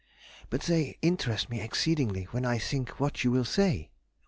But they interest me exceedingly when I think what you will say.